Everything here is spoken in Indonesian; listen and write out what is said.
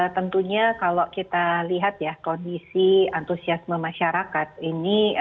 tentunya kalau kita lihat ya kondisi antusiasme masyarakat ini